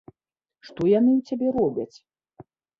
Што яны ў цябе робяць?!